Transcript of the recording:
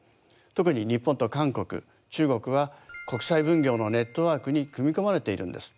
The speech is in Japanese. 特に日本と韓国中国は国際分業のネットワークに組み込まれているんです。